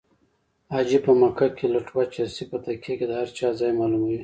حاجي په مکه کې لټوه چرسي په تکیه کې د هر چا ځای معلوموي